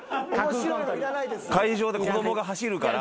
会場で子供が走るから。